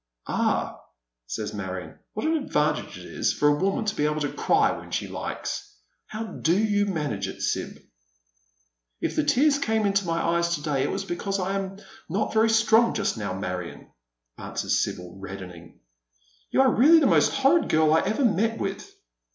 " Ah," says Marion, " what an advantage it is for a woman to be able to cry when she likes ! How do you manage it. Sib ?"" If the tears came into my eyes to day it was because I am not very strong just now, Marion," answers Sibyl, reddening. •'You are really the most horrid girl I ever met with."